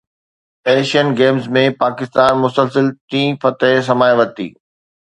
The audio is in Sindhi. ايشين گيمز ۾ پاڪستان مسلسل ٽئين فتح سمائي ورتي